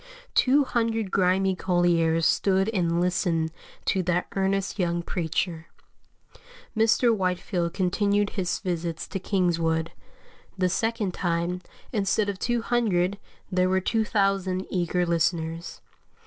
Two hundred grimy colliers stood and listened to that earnest young preacher. Mr. Whitefield continued his visits to Kingswood; the second time, instead of two hundred there were 2,000 eager listeners.